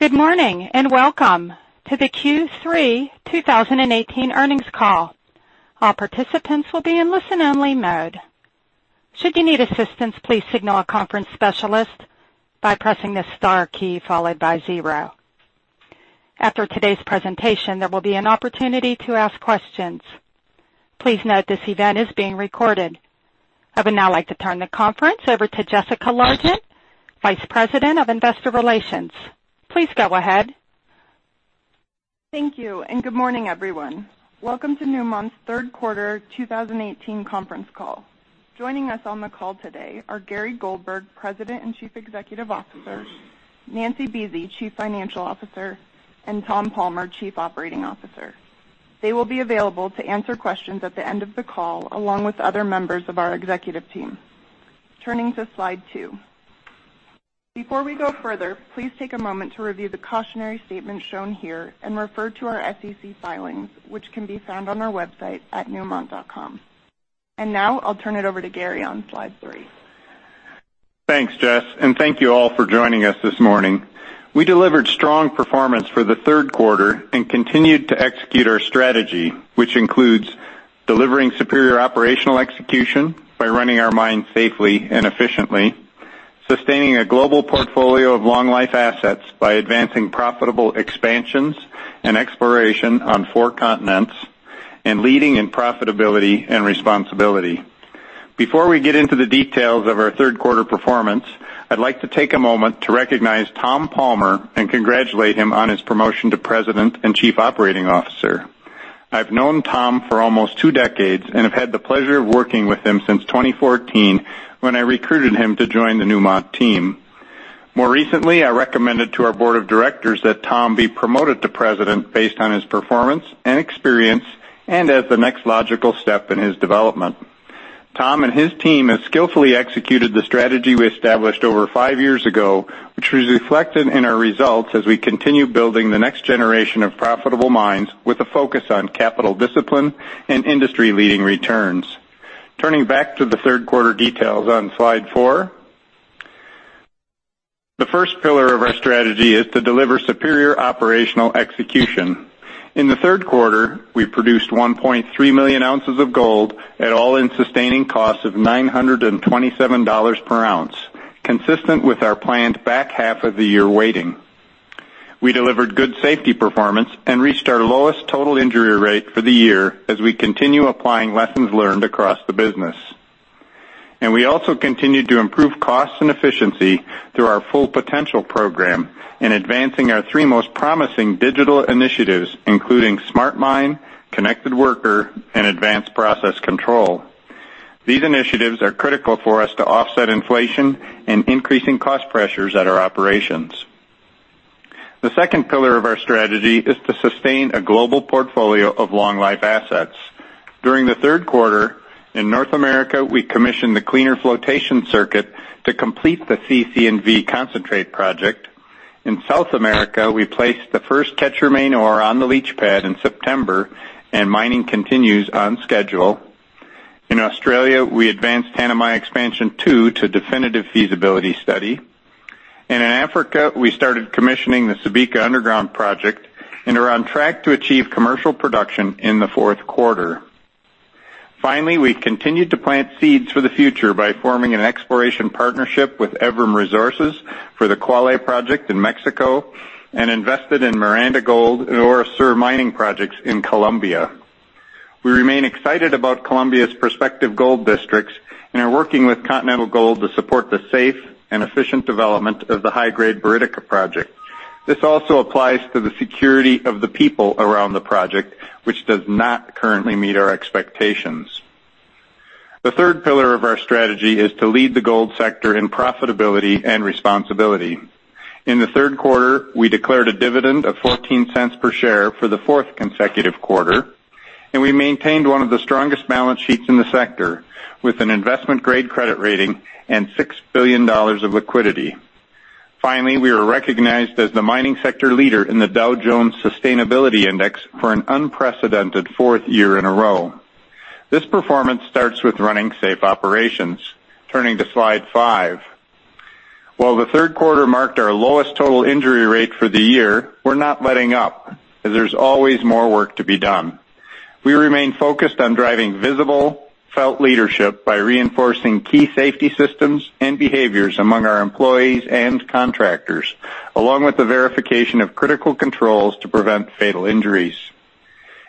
Good morning, and welcome to the Q3 2018 earnings call. All participants will be in listen only mode. Should you need assistance, please signal a conference specialist by pressing the star key followed by 0. After today's presentation, there will be an opportunity to ask questions. Please note this event is being recorded. I would now like to turn the conference over to Jessica Largent, Vice President of Investor Relations. Please go ahead. Thank you, and good morning, everyone. Welcome to Newmont's third quarter 2018 conference call. Joining us on the call today are Gary Goldberg, President and Chief Executive Officer; Nancy Buese, Chief Financial Officer; and Tom Palmer, Chief Operating Officer. They will be available to answer questions at the end of the call, along with other members of our executive team. Turning to slide two. Before we go further, please take a moment to review the cautionary statements shown here and refer to our SEC filings, which can be found on our website at newmont.com. Now I'll turn it over to Gary on slide three. Thanks, Jess, and thank you all for joining us this morning. We delivered strong performance for the third quarter and continued to execute our strategy, which includes delivering superior operational execution by running our mines safely and efficiently, sustaining a global portfolio of long life assets by advancing profitable expansions and exploration on four continents, and leading in profitability and responsibility. Before we get into the details of our third quarter performance, I'd like to take a moment to recognize Tom Palmer and congratulate him on his promotion to President and Chief Operating Officer. I've known Tom for almost two decades and have had the pleasure of working with him since 2014 when I recruited him to join the Newmont team. More recently, I recommended to our board of directors that Tom be promoted to President based on his performance and experience and as the next logical step in his development. Tom and his team have skillfully executed the strategy we established over five years ago, which was reflected in our results as we continue building the next generation of profitable mines with a focus on capital discipline and industry-leading returns. Turning back to the third quarter details on slide four. The first pillar of our strategy is to deliver superior operational execution. In the third quarter, we produced 1.3 million ounces of gold at all-in sustaining costs of $927 per ounce, consistent with our planned back half of the year weighting. We delivered good safety performance and reached our lowest total injury rate for the year as we continue applying lessons learned across the business. We also continued to improve cost and efficiency through our Full Potential program in advancing our three most promising digital initiatives, including smart mine, connected worker, and advanced process control. These initiatives are critical for us to offset inflation and increasing cost pressures at our operations. The second pillar of our strategy is to sustain a global portfolio of long life assets. During the third quarter, in North America, we commissioned the cleaner flotation circuit to complete the CC&V concentrate project. In South America, we placed the first Quecher Main ore on the leach pad in September, and mining continues on schedule. In Australia, we advanced Tanami Expansion 2 to definitive feasibility study. In Africa, we started commissioning the Subika underground project and are on track to achieve commercial production in the fourth quarter. Finally, we continued to plant seeds for the future by forming an exploration partnership with Evrim Resources for the Cuale project in Mexico and invested in Miranda Gold and Orosur Mining projects in Colombia. We remain excited about Colombia's prospective gold districts and are working with Continental Gold to support the safe and efficient development of the high-grade Buriticá project. This also applies to the security of the people around the project, which does not currently meet our expectations. The third pillar of our strategy is to lead the gold sector in profitability and responsibility. In the third quarter, we declared a dividend of $0.14 per share for the fourth consecutive quarter. We maintained one of the strongest balance sheets in the sector with an investment-grade credit rating and $6 billion of liquidity. Finally, we were recognized as the mining sector leader in the Dow Jones Sustainability Index for an unprecedented fourth year in a row. This performance starts with running safe operations. Turning to slide five. While the third quarter marked our lowest total injury rate for the year, we are not letting up as there is always more work to be done. We remain focused on driving visible, felt leadership by reinforcing key safety systems and behaviors among our employees and contractors, along with the verification of critical controls to prevent fatal injuries.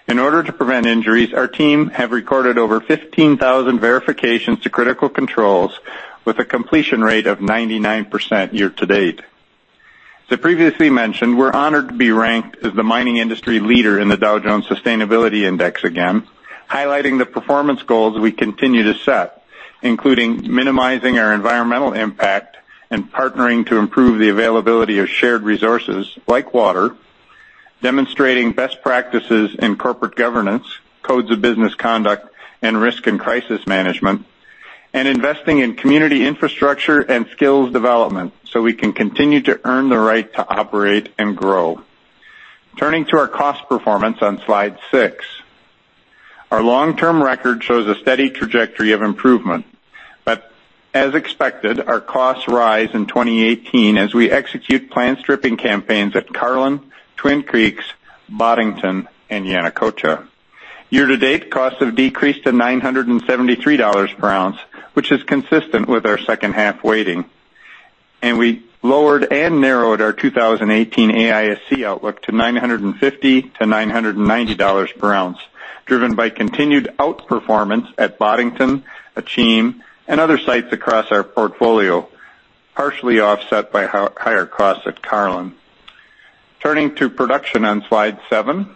In order to prevent injuries, our team have recorded over 15,000 verifications to critical controls with a completion rate of 99% year to date. As I previously mentioned, we are honored to be ranked as the mining industry leader in the Dow Jones Sustainability Index again, highlighting the performance goals we continue to set, including minimizing our environmental impact and partnering to improve the availability of shared resources like water, demonstrating best practices in corporate governance, codes of business conduct, and risk and crisis management, and investing in community infrastructure and skills development so we can continue to earn the right to operate and grow. Turning to our cost performance on slide six. Our long-term record shows a steady trajectory of improvement. As expected, our costs rise in 2018 as we execute planned stripping campaigns at Carlin, Twin Creeks, Boddington, and Yanacocha. Year-to-date, costs have decreased to $973 per ounce, which is consistent with our second half weighting. We lowered and narrowed our 2018 AISC outlook to $950-$990 per ounce, driven by continued outperformance at Boddington, Akyem, and other sites across our portfolio, partially offset by higher costs at Carlin. Turning to production on slide seven.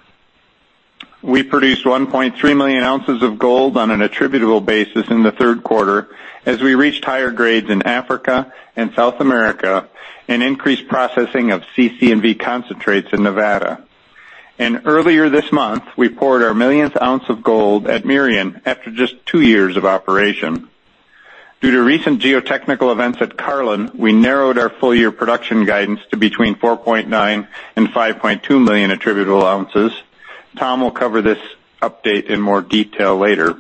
We produced 1.3 million ounces of gold on an attributable basis in the third quarter, as we reached higher grades in Africa and South America, increased processing of CC&V concentrates in Nevada. Earlier this month, we poured our millionth ounce of gold at Merian after just two years of operation. Due to recent geotechnical events at Carlin, we narrowed our full-year production guidance to between 4.9 and 5.2 million attributable ounces. Tom will cover this update in more detail later.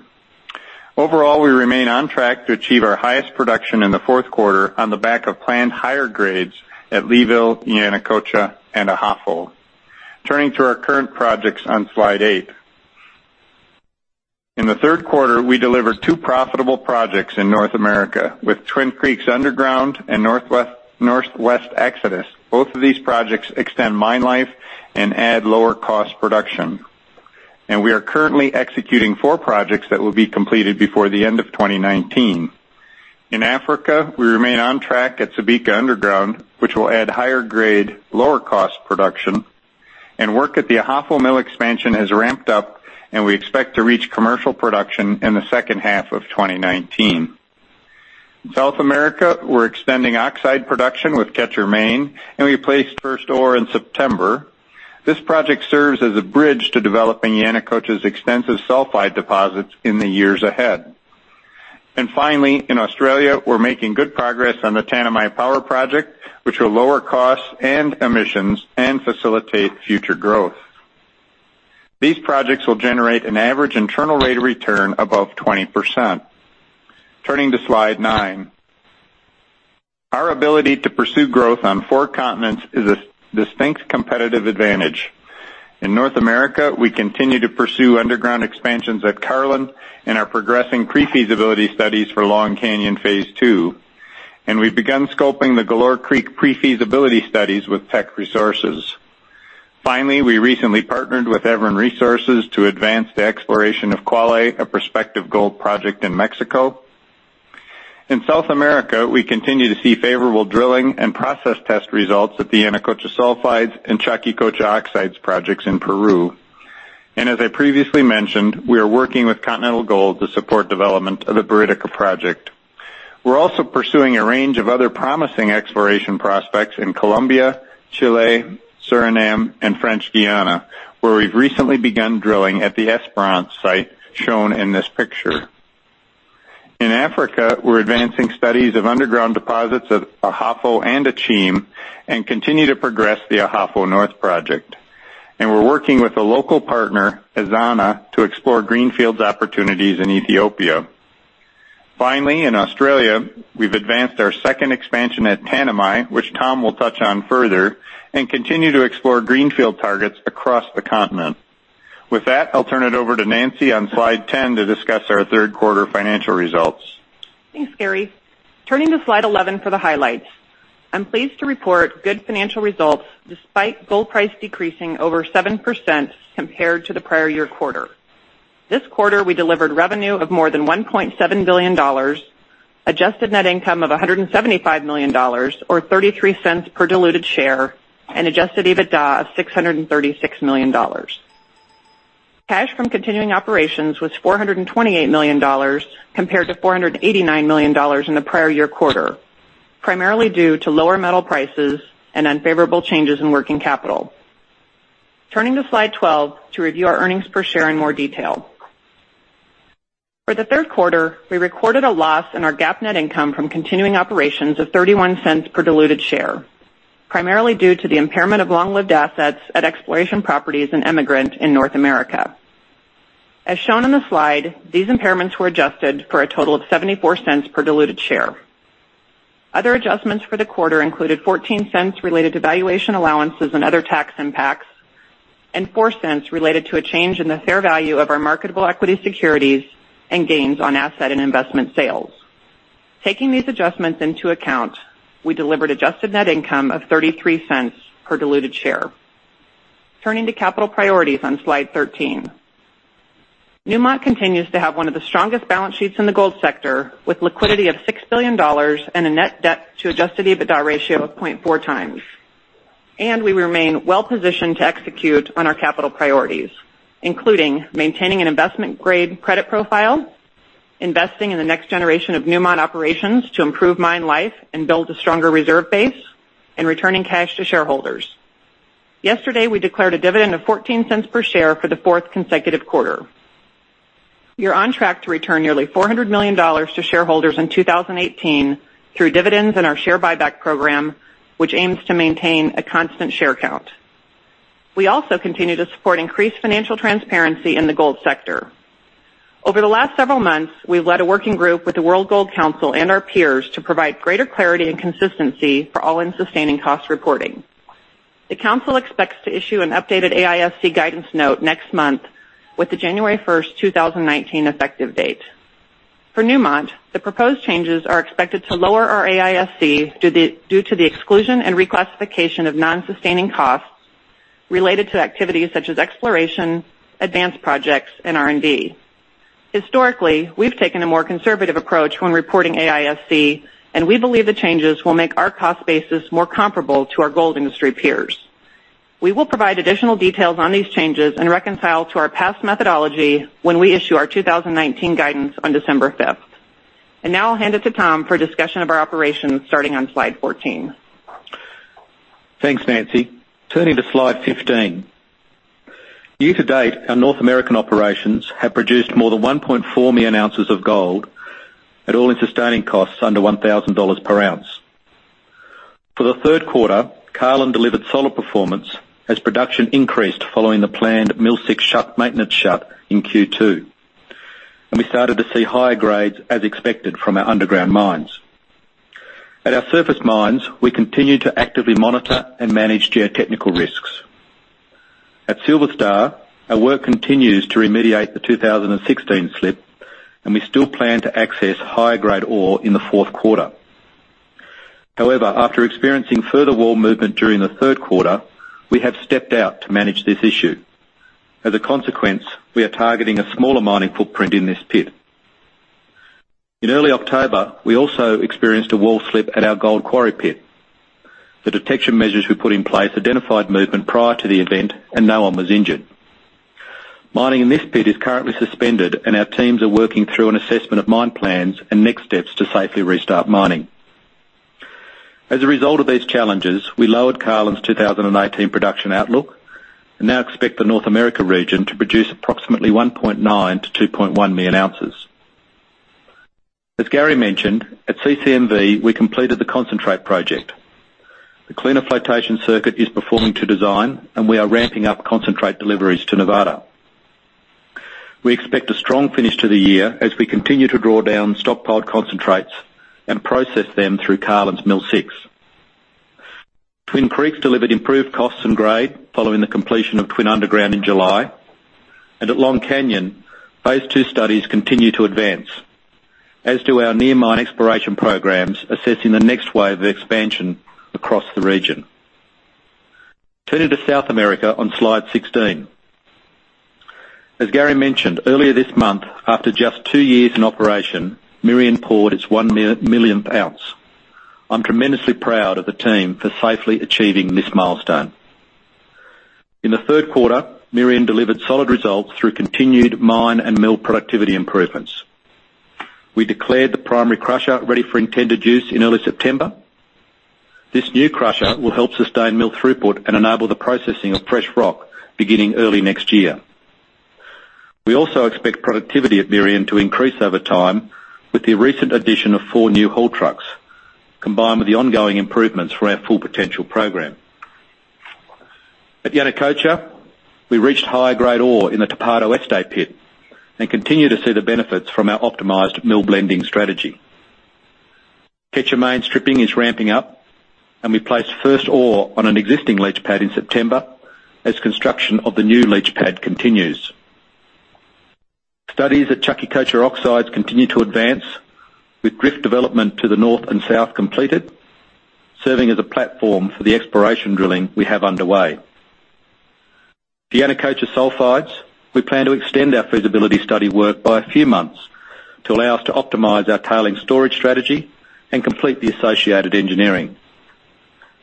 Overall, we remain on track to achieve our highest production in the fourth quarter on the back of planned higher grades at Leeville, Yanacocha, and Ahafo. Turning to our current projects on slide eight. In the third quarter, we delivered two profitable projects in North America with Twin Creeks Underground and Northwest Exodus. Both of these projects extend mine life and add lower cost production. We are currently executing 4 projects that will be completed before the end of 2019. In Africa, we remain on track at Subika Underground, which will add higher grade, lower cost production. Work at the Ahafo Mill Expansion has ramped up, and we expect to reach commercial production in the second half of 2019. In South America, we're extending oxide production with Quecher Main. We placed first ore in September. This project serves as a bridge to developing Yanacocha's extensive sulfide deposits in the years ahead. Finally, in Australia, we're making good progress on the Tanami Power Project, which will lower costs and emissions and facilitate future growth. These projects will generate an average internal rate of return above 20%. Turning to slide nine. Our ability to pursue growth on four continents is a distinct competitive advantage. In North America, we continue to pursue underground expansions at Carlin and are progressing pre-feasibility studies for Long Canyon Phase 2. We've begun scoping the Galore Creek pre-feasibility studies with Teck Resources. Finally, we recently partnered with Evrim Resources to advance the exploration of Cuale, a prospective gold project in Mexico. In South America, we continue to see favorable drilling and process test results at the Yanacocha sulfides and Chaquicocha oxides projects in Peru. As I previously mentioned, we are working with Continental Gold to support development of the Buriticá project. We're also pursuing a range of other promising exploration prospects in Colombia, Chile, Suriname, and French Guiana, where we've recently begun drilling at the Esperance site shown in this picture. In Africa, we're advancing studies of underground deposits at Ahafo and Akyem and continue to progress the Ahafo North project. We're working with a local partner, Ezana, to explore greenfields opportunities in Ethiopia. Finally, in Australia, we've advanced our second expansion at Tanami, continue to explore greenfield targets across the continent. With that, I'll turn it over to Nancy on slide 10 to discuss our third quarter financial results. Thanks, Gary. Turning to slide 11 for the highlights. I am pleased to report good financial results despite gold price decreasing over 7% compared to the prior year quarter. This quarter, we delivered revenue of more than $1.7 billion, adjusted net income of $175 million, or $0.33 per diluted share, and adjusted EBITDA of $636 million. Cash from continuing operations was $428 million compared to $489 million in the prior year quarter, primarily due to lower metal prices and unfavorable changes in working capital. Turning to slide 12 to review our earnings per share in more detail. For the third quarter, we recorded a loss in our GAAP net income from continuing operations of $0.31 per diluted share, primarily due to the impairment of long-lived assets at exploration properties in Emigrant in North America. As shown in the slide, these impairments were adjusted for a total of $0.74 per diluted share. Other adjustments for the quarter included $0.14 related to valuation allowances and other tax impacts, and $0.04 related to a change in the fair value of our marketable equity securities and gains on asset and investment sales. Taking these adjustments into account, we delivered adjusted net income of $0.33 per diluted share. Turning to capital priorities on slide 13. Newmont continues to have one of the strongest balance sheets in the gold sector, with liquidity of $6 billion and a net debt to adjusted EBITDA ratio of 0.4 times. We remain well positioned to execute on our capital priorities, including maintaining an investment-grade credit profile, investing in the next generation of Newmont operations to improve mine life and build a stronger reserve base, and returning cash to shareholders. Yesterday, we declared a dividend of $0.14 per share for the fourth consecutive quarter. We are on track to return nearly $400 million to shareholders in 2018 through dividends and our share buyback program, which aims to maintain a constant share count. We also continue to support increased financial transparency in the gold sector. Over the last several months, we've led a working group with the World Gold Council and our peers to provide greater clarity and consistency for all-in sustaining cost reporting. The council expects to issue an updated AISC guidance note next month with the January 1st, 2019 effective date. For Newmont, the proposed changes are expected to lower our AISC due to the exclusion and reclassification of non-sustaining costs related to activities such as exploration, advanced projects, and R&D. Historically, we've taken a more conservative approach when reporting AISC, and we believe the changes will make our cost basis more comparable to our gold industry peers. We will provide additional details on these changes and reconcile to our past methodology when we issue our 2019 guidance on December 5th. Now I'll hand it to Tom for a discussion of our operations starting on slide 14. Thanks, Nancy. Turning to slide 15. Year to date, our North American operations have produced more than 1.4 million ounces of gold at all-in sustaining costs under $1,000 per ounce. For the third quarter, Carlin delivered solid performance as production increased following the planned mill six maintenance shut in Q2. We started to see higher grades as expected from our underground mines. At our surface mines, we continue to actively monitor and manage geotechnical risks. At Silver Star, our work continues to remediate the 2016 slip, and we still plan to access higher grade ore in the fourth quarter. However, after experiencing further wall movement during the third quarter, we have stepped out to manage this issue. As a consequence, we are targeting a smaller mining footprint in this pit. In early October, we also experienced a wall slip at our gold quarry pit. The detection measures we put in place identified movement prior to the event and no one was injured. Mining in this pit is currently suspended, and our teams are working through an assessment of mine plans and next steps to safely restart mining. As a result of these challenges, we lowered Carlin's 2018 production outlook and now expect the North America region to produce approximately 1.9 million to 2.1 million ounces. As Gary mentioned, at CC&V, we completed the concentrate project. The cleaner flotation circuit is performing to design, and we are ramping up concentrate deliveries to Nevada. We expect a strong finish to the year as we continue to draw down stockpiled concentrates and process them through Carlin's mill six. Twin Creeks delivered improved costs and grade following the completion of Twin Underground in July. At Long Canyon, phase two studies continue to advance, as do our near mine exploration programs assessing the next wave of expansion across the region. Turning to South America on slide 16. As Gary mentioned, earlier this month, after just two years in operation, Merian poured its one millionth ounce. I'm tremendously proud of the team for safely achieving this milestone. In the third quarter, Merian delivered solid results through continued mine and mill productivity improvements. We declared the primary crusher ready for intended use in early September. This new crusher will help sustain mill throughput and enable the processing of fresh rock beginning early next year. We also expect productivity at Merian to increase over time with the recent addition of four new haul trucks, combined with the ongoing improvements for our Full Potential program. At Yanacocha, we reached higher grade ore in the Topacio Este pit and continue to see the benefits from our optimized mill blending strategy. Quecher Main stripping is ramping up, and we placed first ore on an existing leach pad in September as construction of the new leach pad continues. Studies at Chaquicocha oxides continue to advance with drift development to the north and south completed, serving as a platform for the exploration drilling we have underway. The Yanacocha sulfides, we plan to extend our feasibility study work by a few months to allow us to optimize our tailings storage strategy and complete the associated engineering.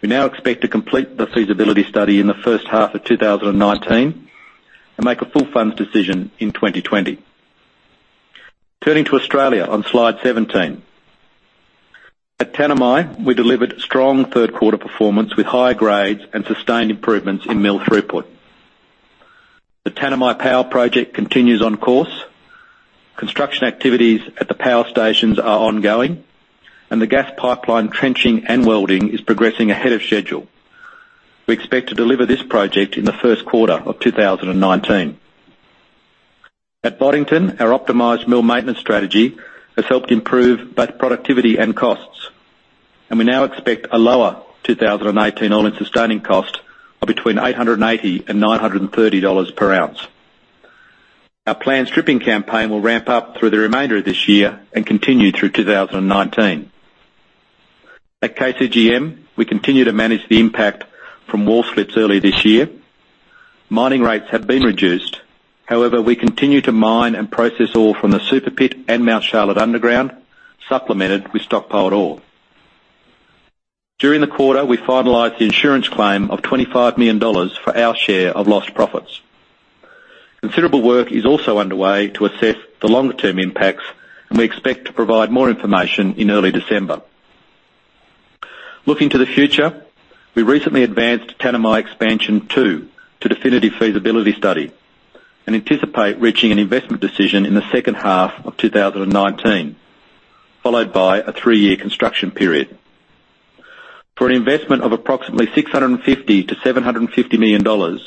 We now expect to complete the feasibility study in the first half of 2019 and make a full funds decision in 2020. Turning to Australia on slide 17. At Tanami, we delivered strong third quarter performance with higher grades and sustained improvements in mill throughput. The Tanami Power Project continues on course. Construction activities at the power stations are ongoing, and the gas pipeline trenching and welding is progressing ahead of schedule. We expect to deliver this project in the first quarter of 2019. At Boddington, our optimized mill maintenance strategy has helped improve both productivity and costs, and we now expect a lower 2018 all-in sustaining costs of between $880-$930 per ounce. Our planned stripping campaign will ramp up through the remainder of this year and continue through 2019. At KCGM, we continue to manage the impact from wall slips early this year. Mining rates have been reduced. However, we continue to mine and process ore from the Super Pit and Mount Charlotte underground, supplemented with stockpiled ore. During the quarter, we finalized the insurance claim of $25 million for our share of lost profits. Considerable work is also underway to assess the longer term impacts, and we expect to provide more information in early December. Looking to the future, we recently advanced Tanami Expansion 2 to definitive feasibility study and anticipate reaching an investment decision in the second half of 2019, followed by a three-year construction period. For an investment of approximately $650 million-$750 million,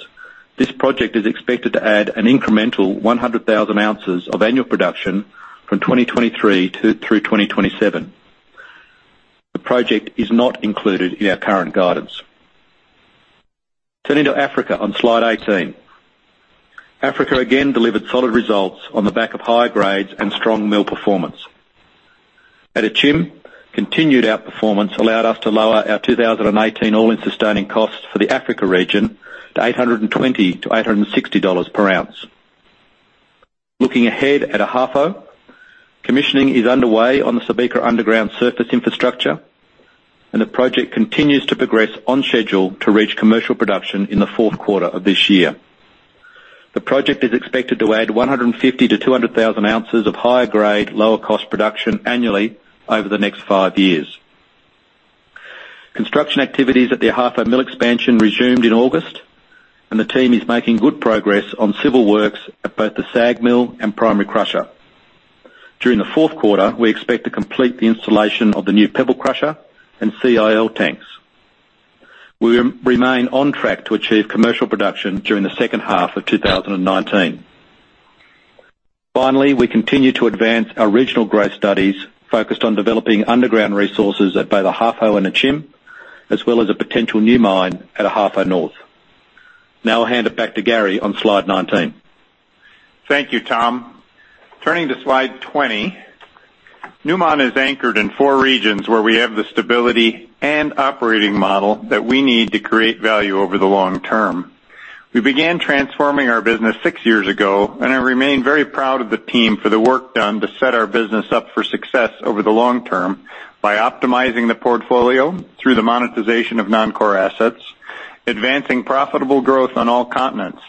this project is expected to add an incremental 100,000 ounces of annual production from 2023 through 2027. The project is not included in our current guidance. Turning to Africa on slide 18. Africa again delivered solid results on the back of high grades and strong mill performance. At Akyem, continued outperformance allowed us to lower our 2018 all-in sustaining costs for the Africa region to $820-$860 per ounce. Looking ahead at Ahafo, commissioning is underway on the Subika Underground surface infrastructure, and the project continues to progress on schedule to reach commercial production in the fourth quarter of this year. The project is expected to add 150,000-200,000 ounces of higher grade, lower cost production annually over the next five years. Construction activities at the Ahafo Mill Expansion resumed in August, and the team is making good progress on civil works at both the SAG mill and primary crusher. During the fourth quarter, we expect to complete the installation of the new pebble crusher and CIL tanks. We remain on track to achieve commercial production during the second half of 2019. Finally, we continue to advance our regional growth studies focused on developing underground resources at both Ahafo and Akyem, as well as a potential new mine at Ahafo North. Now I'll hand it back to Gary on slide 19. Thank you, Tom. Turning to slide 20. Newmont is anchored in four regions where we have the stability and operating model that we need to create value over the long term. We began transforming our business six years ago, and I remain very proud of the team for the work done to set our business up for success over the long term by optimizing the portfolio through the monetization of non-core assets, advancing profitable growth on all continents,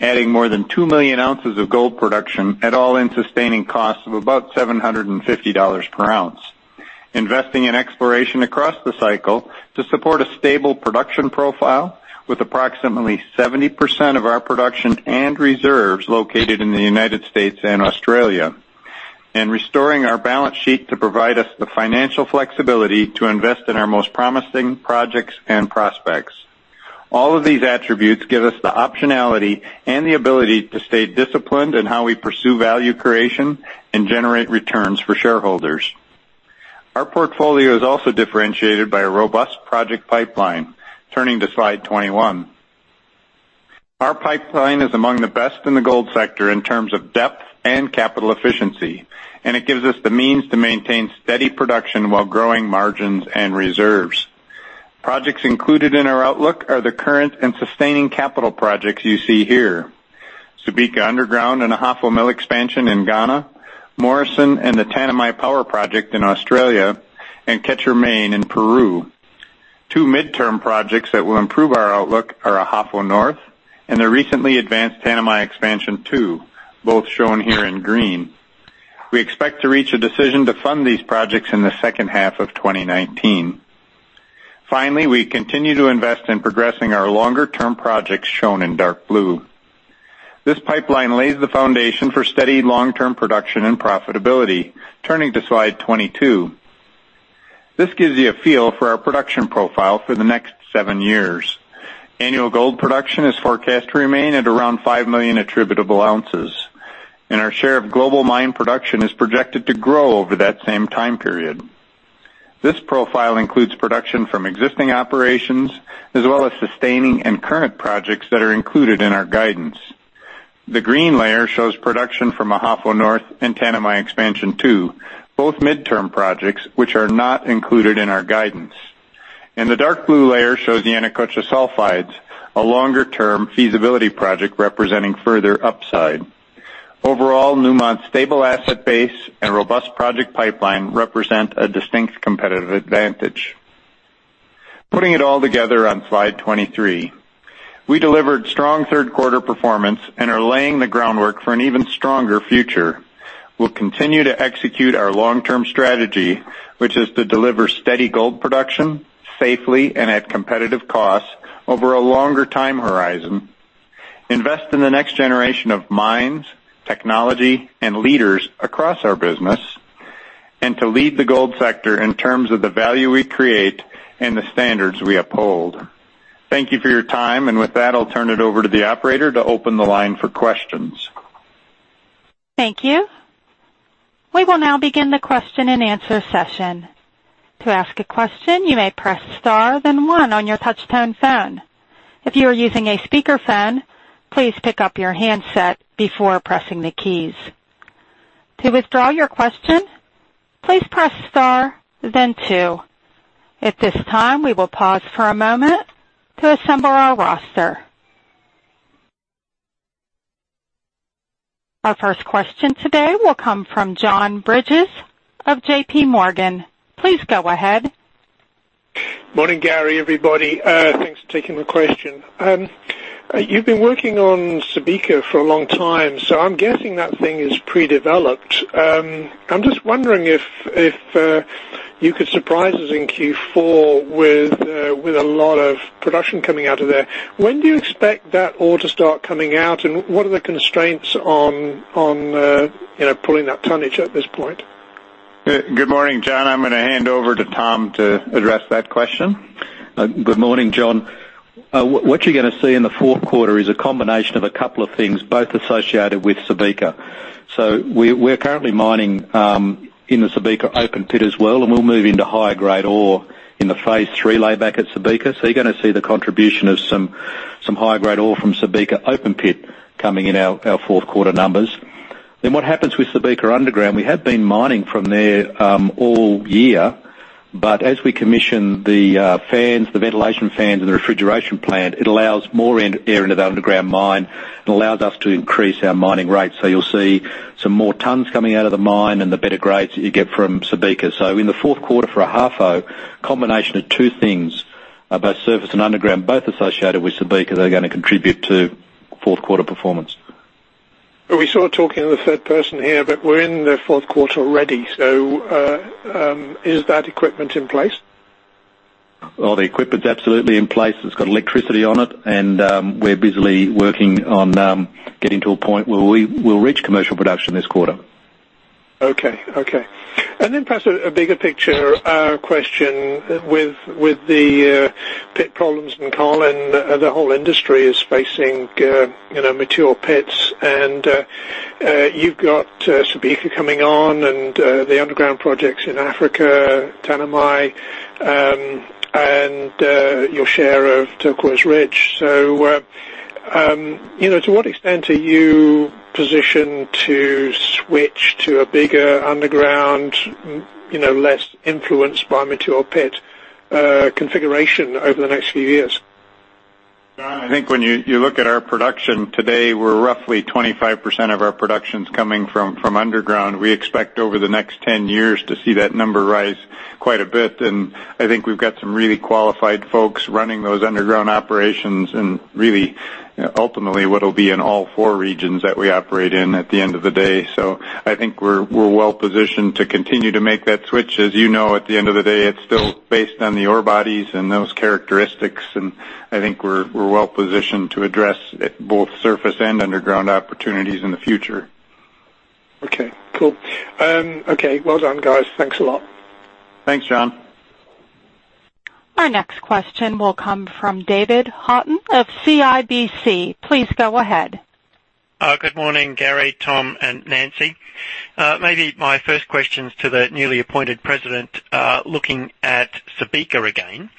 adding more than two million ounces of gold production at all-in sustaining costs of about $750 per ounce, investing in exploration across the cycle to support a stable production profile with approximately 70% of our production and reserves located in the U.S. and Australia, and restoring our balance sheet to provide us the financial flexibility to invest in our most promising projects and prospects. All of these attributes give us the optionality and the ability to stay disciplined in how we pursue value creation and generate returns for shareholders. Our portfolio is also differentiated by a robust project pipeline. Turning to slide 21. Our pipeline is among the best in the gold sector in terms of depth and capital efficiency, and it gives us the means to maintain steady production while growing margins and reserves. Projects included in our outlook are the current and sustaining capital projects you see here. Subika Underground and Ahafo Mill Expansion in Ghana, Morrison and the Tanami Power Project in Australia, and Quecher Main in Peru. Two midterm projects that will improve our outlook are Ahafo North and the recently advanced Tanami Expansion 2, both shown here in green. We expect to reach a decision to fund these projects in the second half of 2019. Finally, we continue to invest in progressing our longer-term projects shown in dark blue. This pipeline lays the foundation for steady long-term production and profitability. Turning to slide 22. This gives you a feel for our production profile for the next seven years. Annual gold production is forecast to remain at around five million attributable ounces, and our share of global mine production is projected to grow over that same time period. This profile includes production from existing operations as well as sustaining and current projects that are included in our guidance. The green layer shows production from Ahafo North and Tanami Expansion 2, both midterm projects, which are not included in our guidance. The dark blue layer shows the Yanacocha Sulfides, a longer-term feasibility project representing further upside. Overall, Newmont's stable asset base and robust project pipeline represent a distinct competitive advantage. Putting it all together on slide 23. We delivered strong third quarter performance and are laying the groundwork for an even stronger future. We'll continue to execute our long-term strategy, which is to deliver steady gold production safely and at competitive costs over a longer time horizon, invest in the next generation of mines, technology, and leaders across our business, and to lead the gold sector in terms of the value we create and the standards we uphold. Thank you for your time, and with that, I'll turn it over to the operator to open the line for questions. Thank you. We will now begin the question and answer session. To ask a question, you may press star then one on your touchtone phone. If you are using a speakerphone, please pick up your handset before pressing the keys. To withdraw your question, please press star then two. At this time, we will pause for a moment to assemble our roster. Our first question today will come from John Bridges of J.P. Morgan. Please go ahead. Morning, Gary, everybody. Thanks for taking the question. You've been working on Subika for a long time, I'm guessing that thing is pre-developed. I'm just wondering if you could surprise us in Q4 with a lot of production coming out of there. When do you expect that ore to start coming out, and what are the constraints on pulling that tonnage at this point? Good morning, John. I'm going to hand over to Tom to address that question. Good morning, John. What you're going to see in the fourth quarter is a combination of a couple of things, both associated with Subika. We're currently mining in the Subika open pit as well, and we'll move into higher-grade ore in the phase 3 layback at Subika. You're going to see the contribution of some higher-grade ore from Subika open pit coming in our fourth quarter numbers. What happens with Subika underground, we have been mining from there all year, but as we commission the ventilation fans and the refrigeration plant, it allows more air into the underground mine and allows us to increase our mining rate. You'll see some more tons coming out of the mine and the better grades that you get from Subika. In the fourth quarter for Ahafo, a combination of two things, both surface and underground, both associated with Subika, they're going to contribute to fourth quarter performance. We're sort of talking in the third person here, we're in the fourth quarter already. Is that equipment in place? The equipment's absolutely in place. It's got electricity on it, we're busily working on getting to a point where we will reach commercial production this quarter. Then perhaps a bigger picture question. With the pit problems in Carlin and the whole industry is facing mature pits and you've got Subika coming on and the underground projects in Africa, Tanami, and your share of Turquoise Ridge. To what extent are you positioned to switch to a bigger underground, less influenced by material pit configuration over the next few years? John, I think when you look at our production today, roughly 25% of our production's coming from underground. We expect over the next 10 years to see that number rise quite a bit, and I think we've got some really qualified folks running those underground operations and really, ultimately, what'll be in all four regions that we operate in at the end of the day. I think we're well positioned to continue to make that switch. As you know, at the end of the day, it's still based on the ore bodies and those characteristics. I think we're well positioned to address both surface and underground opportunities in the future. Okay, cool. Okay. Well done, guys. Thanks a lot. Thanks, John. Our next question will come from David Haughton of CIBC. Please go ahead. Good morning, Gary Goldberg, Tom Palmer, and Nancy Buese. Maybe my first question's to the newly appointed president, looking at Subika again.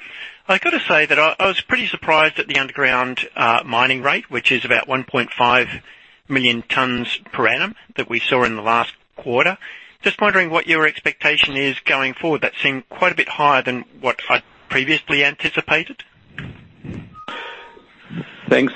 I've got to say that I was pretty surprised at the underground mining rate, which is about 1.5 million tons per annum that we saw in the last quarter. Just wondering what your expectation is going forward. That seemed quite a bit higher than what I'd previously anticipated. Thanks,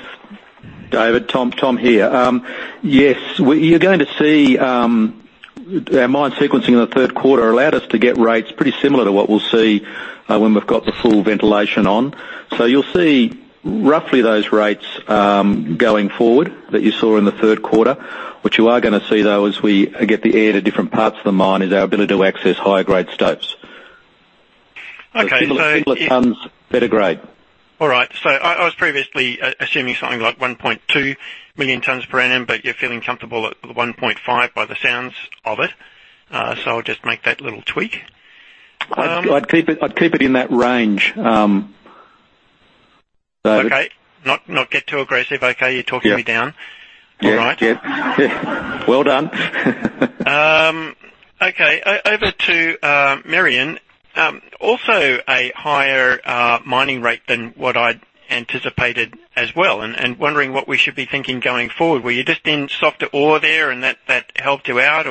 David Haughton. Tom here. Yes. You're going to see our mine sequencing in the third quarter allowed us to get rates pretty similar to what we'll see when we've got the full ventilation on. You'll see roughly those rates going forward that you saw in the third quarter. What you are going to see, though, as we get the air to different parts of the mine, is our ability to access higher-grade stopes. Okay. Similar tons, better grade. All right. I was previously assuming something like 1.2 million tons per annum, you're feeling comfortable at the 1.5 by the sounds of it. I'll just make that little tweak. I'd keep it in that range. Okay. Not get too aggressive. Okay, you're talking me down. Yeah. All right. Yeah. Well done. Okay. Over to Merian. Also a higher mining rate than what I'd anticipated as well, wondering what we should be thinking going forward. Were you just in softer ore there and that helped you out?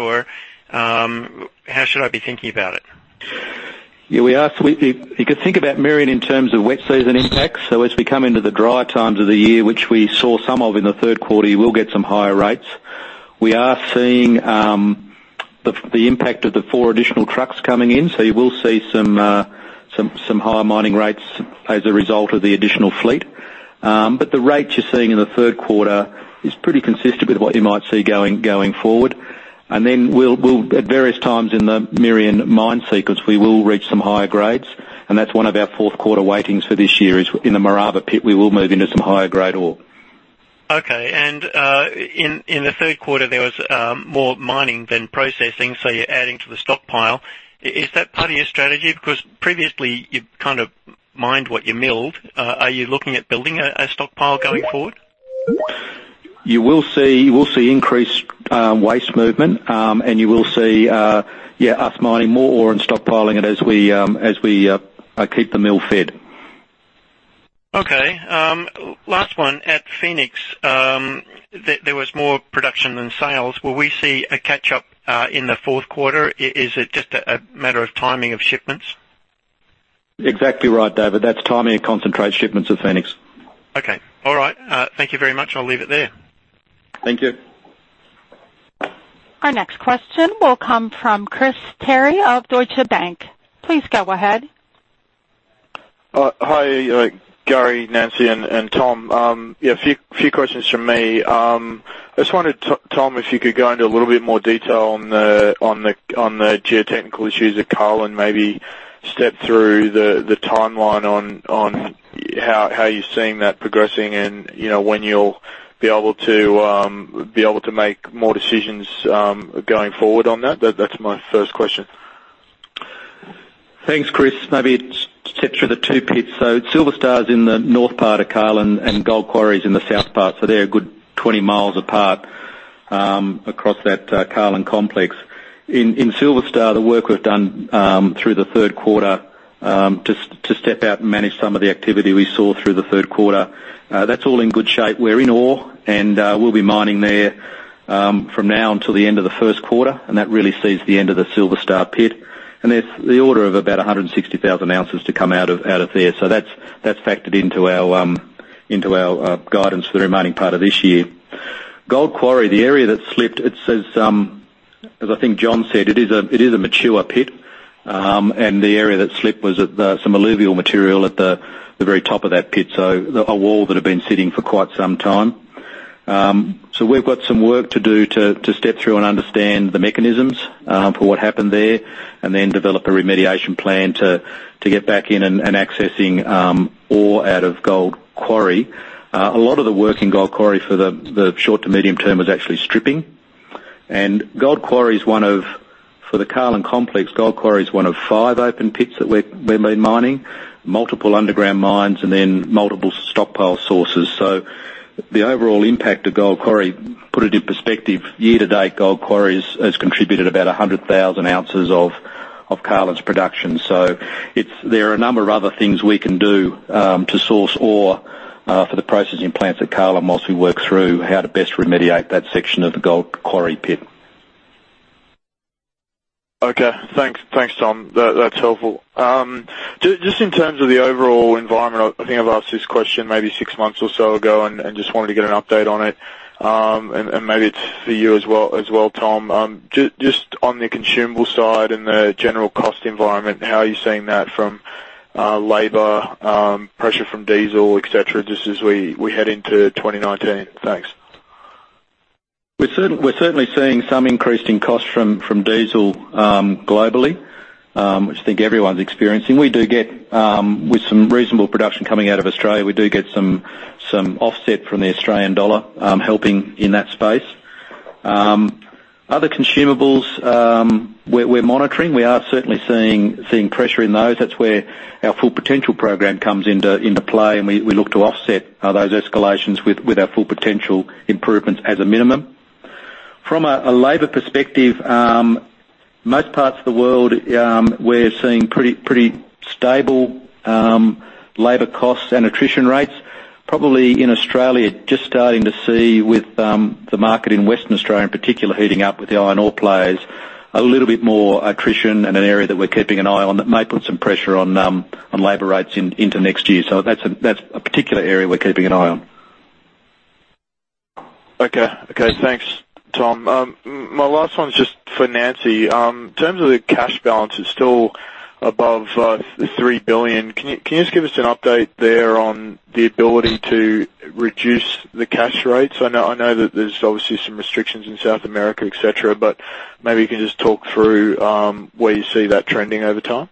How should I be thinking about it? You could think about Merian in terms of wet season impact. As we come into the drier times of the year, which we saw some of in the third quarter, you will get some higher rates. We are seeing the impact of the four additional trucks coming in, so you will see some higher mining rates as a result of the additional fleet. The rates you're seeing in the third quarter is pretty consistent with what you might see going forward. At various times in the Merian mine sequence, we will reach some higher grades, and that's one of our fourth quarter weightings for this year is in the Maraba pit, we will move into some higher-grade ore. Okay. In the third quarter, there was more mining than processing, so you're adding to the stockpile. Is that part of your strategy? Previously, you kind of mined what you milled. Are you looking at building a stockpile going forward? You will see increased waste movement, and you will see us mining more ore and stockpiling it as we keep the mill fed. Okay. Last one. At Phoenix, there was more production than sales. Will we see a catch-up in the fourth quarter? Is it just a matter of timing of shipments? Exactly right, David. That's timing of concentrate shipments of Phoenix. Okay. All right. Thank you very much. I'll leave it there. Thank you. Our next question will come from Chris Terry of Deutsche Bank. Please go ahead. Hi, Gary, Nancy, and Tom. A few questions from me. I just wondered, Tom, if you could go into a little bit more detail on the geotechnical issues at Carlin and maybe step through the timeline on how you're seeing that progressing and when you'll be able to make more decisions going forward on that. That's my first question. Thanks, Chris. Maybe it's step through the two pits. Silver Star is in the north part of Carlin, and Gold Quarry is in the south part. They're a good 20 miles apart across that Carlin complex. In Silver Star, the work we've done through the third quarter to step out and manage some of the activity we saw through the third quarter, that's all in good shape. We're in ore, and we'll be mining there from now until the end of the first quarter, and that really sees the end of the Silver Star pit. There's the order of about 160,000 ounces to come out of there. That's factored into our guidance for the remaining part of this year. Gold Quarry, the area that slipped, as I think John said, it is a mature pit. The area that slipped was some alluvial material at the very top of that pit, a wall that had been sitting for quite some time. We've got some work to do to step through and understand the mechanisms for what happened there and then develop a remediation plan to get back in and accessing ore out of Gold Quarry. A lot of the work in Gold Quarry for the short to medium term is actually stripping. For the Carlin complex, Gold Quarry is one of five open pits that we've been mining, multiple underground mines, and then multiple stockpile sources. The overall impact of Gold Quarry, put it in perspective, year-to-date, Gold Quarry has contributed about 100,000 ounces of Carlin's production. There are a number of other things we can do to source ore for the processing plants at Carlin whilst we work through how to best remediate that section of the Gold Quarry pit. Okay. Thanks, Tom. That's helpful. Just in terms of the overall environment, I think I've asked this question maybe six months or so ago and just wanted to get an update on it. Maybe it's for you as well, Tom. Just on the consumable side and the general cost environment, how are you seeing that from labor, pressure from diesel, et cetera, just as we head into 2019? Thanks. We're certainly seeing some increase in cost from diesel globally, which I think everyone's experiencing. With some reasonable production coming out of Australia, we do get some offset from the Australian dollar helping in that space. Other consumables we're monitoring, we are certainly seeing pressure in those. That's where our Full Potential program comes into play, and we look to offset those escalations with our Full Potential improvements as a minimum. From a labor perspective, most parts of the world, we're seeing pretty stable labor costs and attrition rates. Probably in Australia, just starting to see with the market in Western Australia in particular, heating up with the iron ore players, a little bit more attrition and an area that we're keeping an eye on that may put some pressure on labor rates into next year. That's a particular area we're keeping an eye on. Okay. Thanks, Tom. My last one is just for Nancy. In terms of the cash balance, it's still above $3 billion. Can you just give us an update there on the ability to reduce the cash rates? I know that there's obviously some restrictions in South America, et cetera, but maybe you can just talk through where you see that trending over time.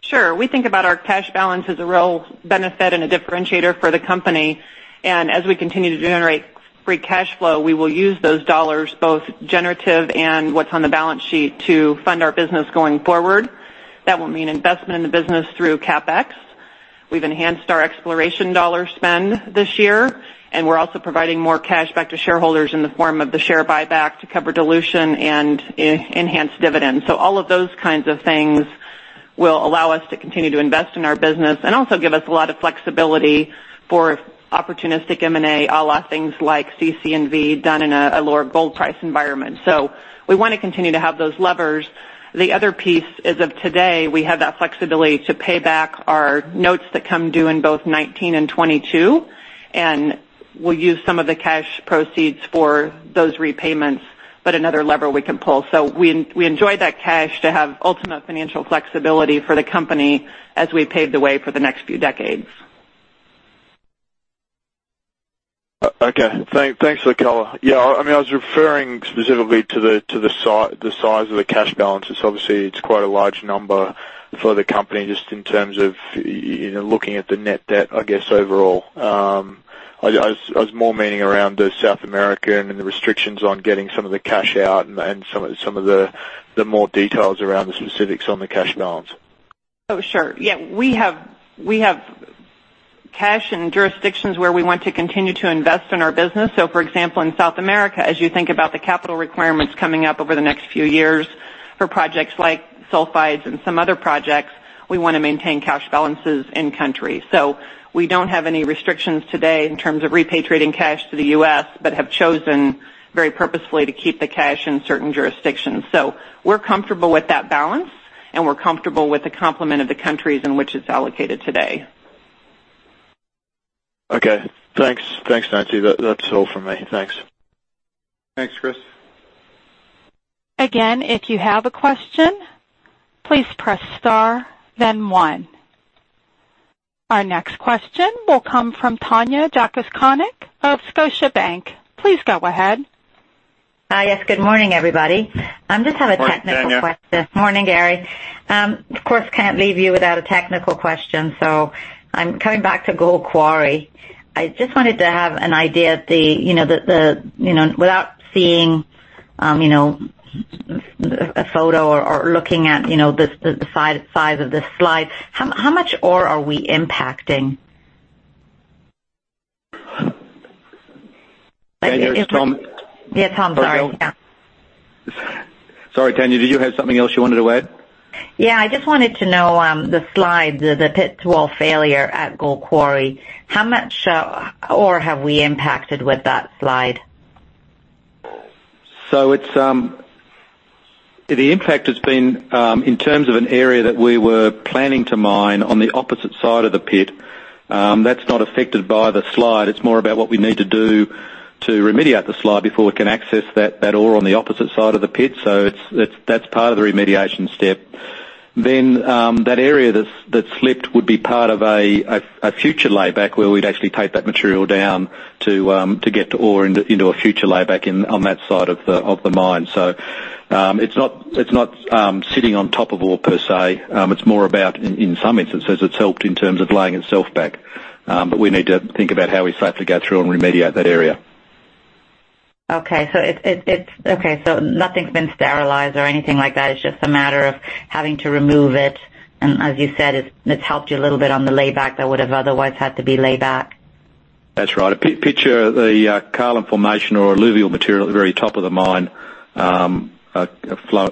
Sure. We think about our cash balance as a real benefit and a differentiator for the company. As we continue to generate free cash flow, we will use those $, both generative and what's on the balance sheet, to fund our business going forward. That will mean investment in the business through CapEx. We've enhanced our exploration $ spend this year, and we're also providing more cash back to shareholders in the form of the share buyback to cover dilution and enhance dividends. All of those kinds of things will allow us to continue to invest in our business and also give us a lot of flexibility for opportunistic M&A, a la things like CC&V done in a lower gold price environment. We want to continue to have those levers. The other piece, as of today, we have that flexibility to pay back our notes that come due in both '19 and '22. We'll use some of the cash proceeds for those repayments, but another lever we can pull. We enjoy that cash to have ultimate financial flexibility for the company as we pave the way for the next few decades. Okay. Thanks, Nancy. I was referring specifically to the size of the cash balance. It's obviously quite a large number for the company just in terms of looking at the net debt, I guess, overall. I was more meaning around South America and the restrictions on getting some of the cash out and some of the more details around the specifics on the cash balance. Sure. We have cash in jurisdictions where we want to continue to invest in our business. For example, in South America, as you think about the capital requirements coming up over the next few years for projects like sulfides and some other projects, we want to maintain cash balances in country. We don't have any restrictions today in terms of repatriating cash to the U.S., but have chosen very purposefully to keep the cash in certain jurisdictions. We're comfortable with that balance. We're comfortable with the complement of the countries in which it's allocated today. Okay. Thanks, Nancy. That's all from me. Thanks. Thanks, Chris. If you have a question, please press star, then one. Our next question will come from Tanya Jakusconek of Scotiabank. Please go ahead. Hi. Yes, good morning, everybody. I just have a technical question. Morning, Tanya. Morning, Gary. Of course, can't leave you without a technical question. I'm coming back to Gold Quarry. I just wanted to have an idea, without seeing a photo or looking at the size of the slide, how much ore are we impacting? Tanya, it's Tom. Yeah, Tom, sorry. Yeah. Sorry, Tanya. Did you have something else you wanted to add? Yeah, I just wanted to know, the slide, the pit wall failure at Gold Quarry, how much ore have we impacted with that slide? The impact has been, in terms of an area that we were planning to mine on the opposite side of the pit, that's not affected by the slide. It's more about what we need to do to remediate the slide before we can access that ore on the opposite side of the pit. That's part of the remediation step. That area that slipped would be part of a future layback where we'd actually take that material down to get to ore into a future layback on that side of the mine. It's not sitting on top of ore per se. It's more about, in some instances, it's helped in terms of laying itself back. We need to think about how we safely go through and remediate that area. Okay, nothing's been sterilized or anything like that. It's just a matter of having to remove it, and as you said, it's helped you a little bit on the layback that would have otherwise had to be laid back. That's right. Picture the caliche formation or alluvial material at the very top of the mine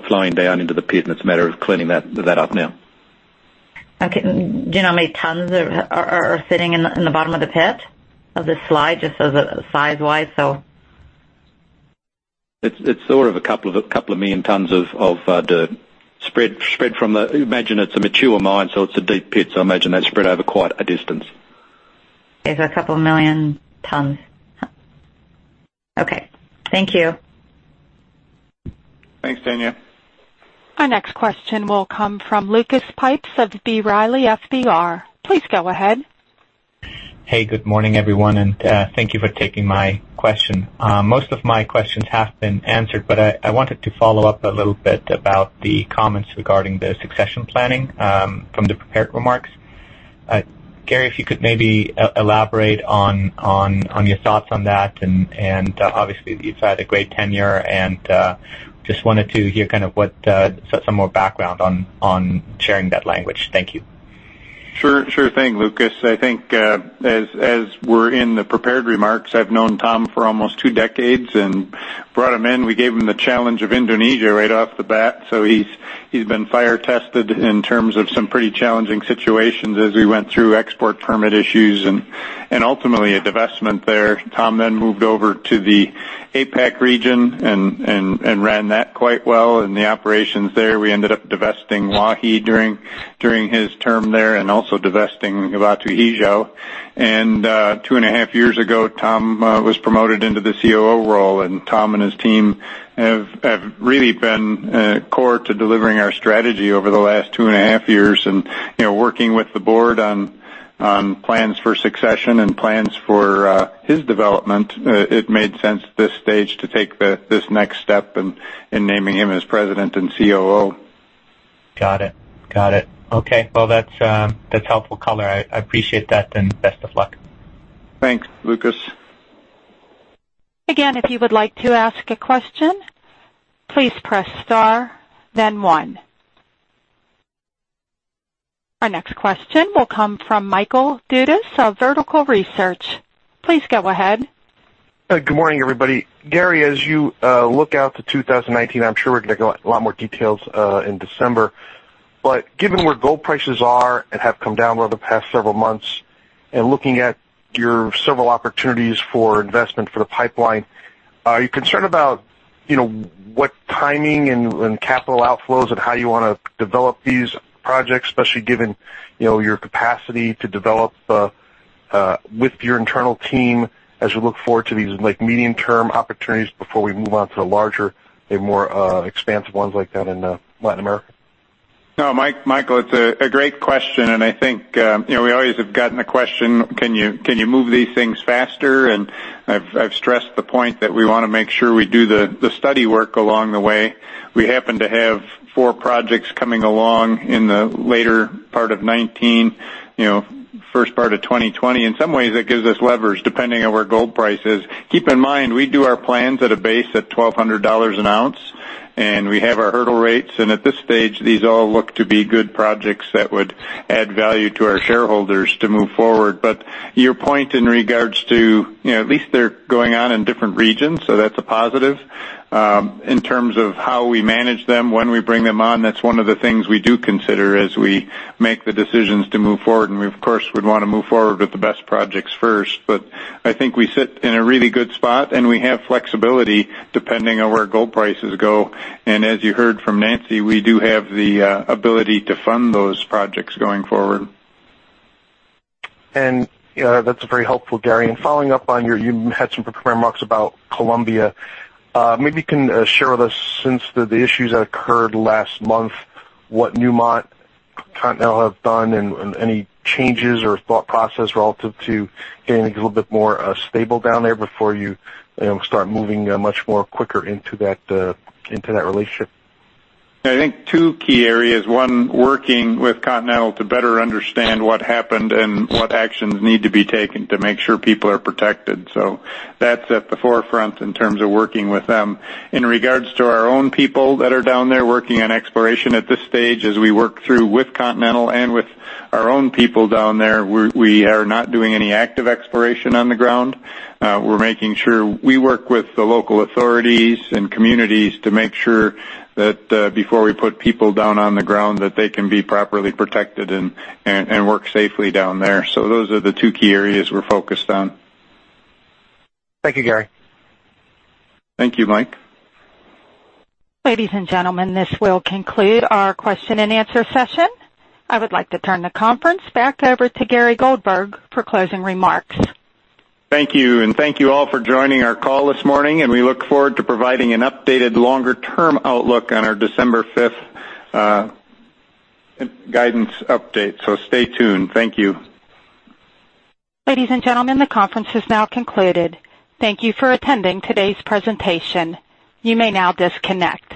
flowing down into the pit, and it's a matter of cleaning that up now. Okay. Do you know how many tons are sitting in the bottom of the pit of this slide, just size-wise? It's sort of a couple of million tons of dirt spread. Imagine it's a mature mine, so it's a deep pit, so imagine that spread over quite a distance. It's a couple million tons. Okay. Thank you. Thanks, Tanya. Our next question will come from Lucas Pipes of B. Riley FBR. Please go ahead. Hey, good morning, everyone, thank you for taking my question. Most of my questions have been answered, I wanted to follow up a little bit about the comments regarding the succession planning from the prepared remarks. Gary, if you could maybe elaborate on your thoughts on that, obviously, you've had a great tenure and just wanted to hear some more background on sharing that language. Thank you. Sure thing, Lucas. I think, as were in the prepared remarks, I've known Tom for almost 2 decades and brought him in. We gave him the challenge of Indonesia right off the bat, he's been fire tested in terms of some pretty challenging situations as we went through export permit issues and ultimately a divestment there. Tom then moved over to the APAC region and ran that quite well and the operations there. We ended up divesting Waihi during his term there and also divesting Batu Hijau. 2 and a half years ago, Tom was promoted into the COO role, Tom and his team have really been core to delivering our strategy over the last 2 and a half years. Working with the board on plans for succession and plans for his development, it made sense at this stage to take this next step in naming him as President and COO. Got it. Okay. Well, that's helpful color. I appreciate that, and best of luck. Thanks, Lucas. Again, if you would like to ask a question, please press star, then one. Our next question will come from Michael Dudas of Vertical Research. Please go ahead. Good morning, everybody. Gary, as you look out to 2019, I'm sure we're going to get a lot more details in December, but given where gold prices are and have come down over the past several months, and looking at your several opportunities for investment for the pipeline, are you concerned about what timing and capital outflows and how you want to develop these projects, especially given your capacity to develop with your internal team as you look forward to these medium-term opportunities before we move on to the larger and more expansive ones like that in Latin America? Michael, it's a great question. I think we always have gotten a question, can you move these things faster? I've stressed the point that we want to make sure we do the study work along the way. We happen to have four projects coming along in the later part of 2019, first part of 2020. In some ways, that gives us leverage, depending on where gold price is. Keep in mind, we do our plans at a base at $1,200 an ounce, and we have our hurdle rates, and at this stage, these all look to be good projects that would add value to our shareholders to move forward. Your point in regards to, at least they're going on in different regions, that's a positive. In terms of how we manage them, when we bring them on, that's one of the things we do consider as we make the decisions to move forward, and we, of course, would want to move forward with the best projects first. I think we sit in a really good spot, and we have flexibility depending on where gold prices go. As you heard from Nancy, we do have the ability to fund those projects going forward. That's very helpful, Gary. Following up on your, you had some prepared remarks about Colombia. Maybe you can share with us, since the issues that occurred last month, what Newmont and Continental have done and any changes or thought process relative to getting a little bit more stable down there before you start moving much more quicker into that relationship. I think two key areas. One, working with Continental to better understand what happened and what actions need to be taken to make sure people are protected. That's at the forefront in terms of working with them. In regards to our own people that are down there working on exploration at this stage, as we work through with Continental and with our own people down there, we are not doing any active exploration on the ground. We're making sure we work with the local authorities and communities to make sure that before we put people down on the ground, that they can be properly protected and work safely down there. Those are the two key areas we're focused on. Thank you, Gary. Thank you, Mike. Ladies and gentlemen, this will conclude our question and answer session. I would like to turn the conference back over to Gary Goldberg for closing remarks. Thank you, and thank you all for joining our call this morning, and we look forward to providing an updated longer-term outlook on our December fifth guidance update. Stay tuned. Thank you. Ladies and gentlemen, the conference has now concluded. Thank you for attending today's presentation. You may now disconnect.